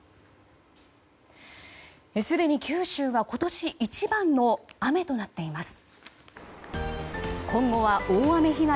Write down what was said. すでに九州は今年一番の雨となっています。